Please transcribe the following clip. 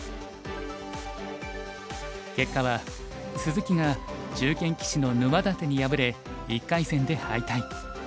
結果は鈴木が中堅棋士の沼舘に敗れ１回戦で敗退。